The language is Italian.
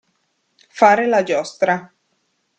Fare la giostra.